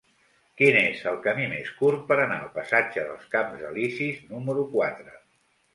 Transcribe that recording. Quin és el camí més curt per anar al passatge dels Camps Elisis número quatre?